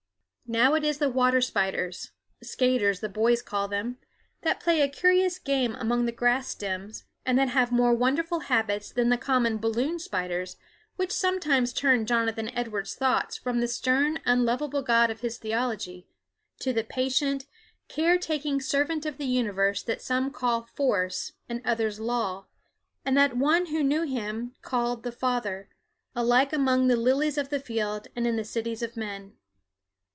Now it is the water spiders skaters the boys call them that play a curious game among the grass stems, and that have more wonderful habits than the common balloon spiders which sometimes turned Jonathan Edwards' thoughts from the stern, unlovable God of his theology to the patient, care taking Servant of the universe that some call Force, and others Law, and that one who knew Him called The Father, alike among the lilies of the field and in the cities of men.